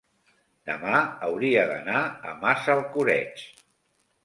demà hauria d'anar a Massalcoreig.